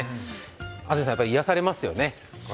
安住さん、やっぱり癒やされますよね？